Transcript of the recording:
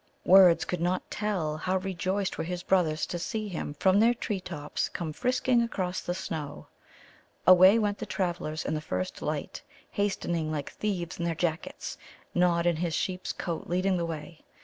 Words could not tell how rejoiced were his brothers to see him from their tree tops come frisking across the snow. Away went the travellers in the first light, hastening like thieves in their jackets, Nod in his sheep's coat leading the way.